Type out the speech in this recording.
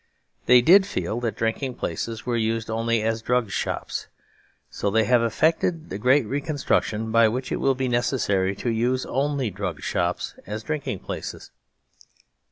They did feel that drinking places were used only as drug shops. So they have effected the great reconstruction, by which it will be necessary to use only drug shops as drinking places.